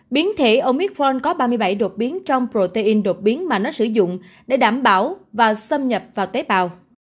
biến thể omitforn có ba mươi bảy đột biến trong protein đột biến mà nó sử dụng để đảm bảo và xâm nhập vào tế bào